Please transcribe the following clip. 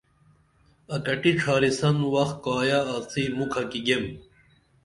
اکٹی ڇھارِسن وخ کائیہ آڅی مُکھہ کی گیم